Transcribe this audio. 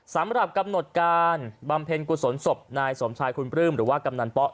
สำหรับกำหนดการบำเพ็ญกุศลศพนายสมชายคุณปลื้มหรือว่ากำนันป๊ะ